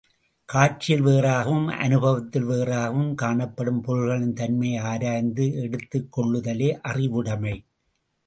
காட்சியில் வேறாகவும் அனுபவத்தில் வேறாகவும் காணப்படும் பொருள்களின் தன்மையை ஆராய்ந்து எடுத்துக் கொள்ளுதலே அறிவுடைமை.